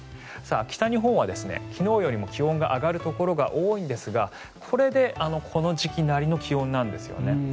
北日本は昨日よりも気温が上がるところが多いんですがこれでこの時期なりの気温なんですね。